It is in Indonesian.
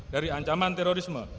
dari ancaman terorisme